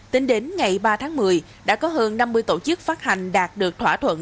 tính đến ngày ba tháng một mươi đã có hơn năm mươi tổ chức phát hành đạt được thỏa thuận